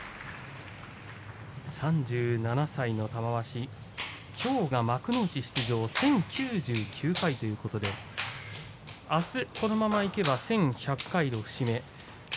３７歳の玉鷲きょうが幕内出場１０９９回ということでこのままいけばあす１１００回の節目。